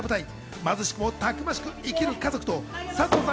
貧しくもたくましく生きる家族と佐藤さん